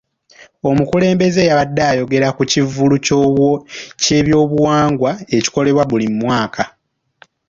Omukulembeze yabadde ayogerera ku kivvulu ky'ebyobuwangwa ekikolebwa buli mwaka.